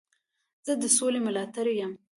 زه د سولي ملاتړی یم.